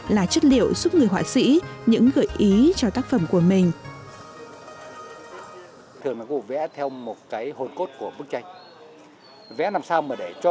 là chất liệu giúp người họa sĩ những gợi ý cho tác phẩm của mình